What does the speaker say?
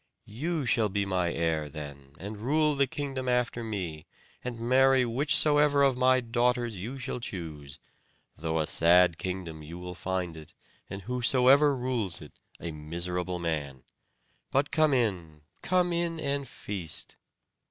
You shall be my heir then, and rule the kingdom after me, and marry whichsoever of my daughters you shall choose; though a sad kingdom you will find it, and whosoever rules it a miserable man. But come in, come in, and feast."